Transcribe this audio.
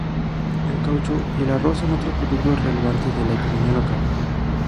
El caucho y el arroz son otros productos relevantes de la economía local.